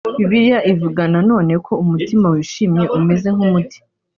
Bibiliya ivuga na none ko umutima wishimye umeze nk’umuti